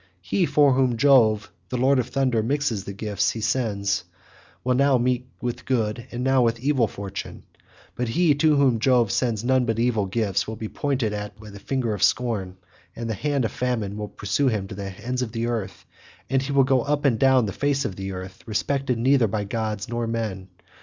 He for whom Jove the lord of thunder mixes the gifts he sends, will meet now with good and now with evil fortune; but he to whom Jove sends none but evil gifts will be pointed at by the finger of scorn, the hand of famine will pursue him to the ends of the world, and he will go up and down the face of the earth, respected neither by gods nor men.